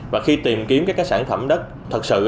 và khi tìm kiếm các sản phẩm đất thật sự